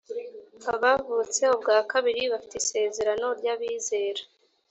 abavutse ubwa kabiri bafite isezerano ry’abizera